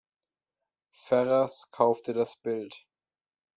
Ferrers kaufte das Bild.